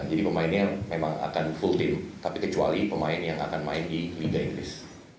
jadi pemainnya memang akan full team tapi kecuali pemain yang akan main di liga inggris